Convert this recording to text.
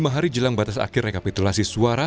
lima hari jelang batas akhir rekapitulasi suara